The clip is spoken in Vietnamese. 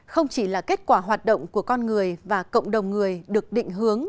không chỉ là kết quả hoạt động của con người và cộng đồng người được định hướng